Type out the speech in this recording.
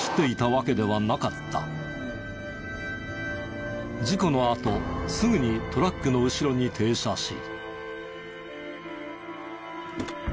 そうこの事故のあとすぐにトラックの後ろに停車し。